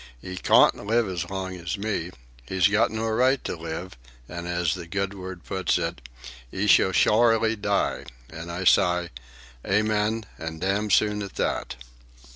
'E cawn't live as long as me. 'E's got no right to live, an' as the Good Word puts it, ''E shall shorely die,' an' I s'y, 'Amen, an' damn soon at that.